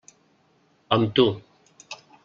Amb tu.